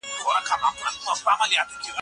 زه کولای سم مکتب ته لاړ شم.